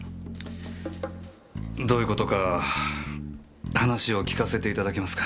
どういう事か話を訊かせていただけますか？